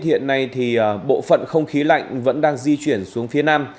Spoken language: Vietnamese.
hiện nay thì bộ phận không khí lạnh vẫn đang di chuyển xuống phía nam